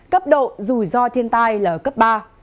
cấp độ rủi ro thiên tai là cấp ba